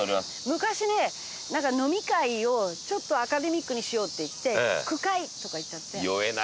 昔ね飲み会をちょっとアカデミックにしようって言って句会とか言っちゃって。